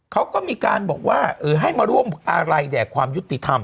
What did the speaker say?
เขาก็มีการบอกว่าให้มาร่วมอะไรแด่ความยุติธรรม